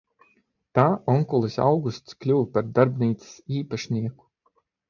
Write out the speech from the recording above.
Tā onkulis Augusts kļuva par darbnīcas īpašnieku.